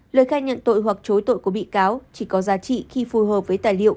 lời khai nhận tội hoặc chối tội của bị cáo chỉ có giá trị khi phù hợp với tài liệu